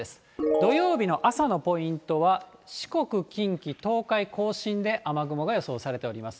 土曜日の朝のポイントは、四国、近畿、東海、甲信で雨雲が予想されております。